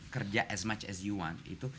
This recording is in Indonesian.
kerja as much as you want itu